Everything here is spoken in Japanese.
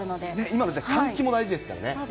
今の時期、換気も大事ですからね。